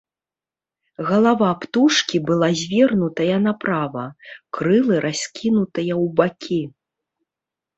Галава птушкі была звернутая направа, крылы раскінутыя ў бакі.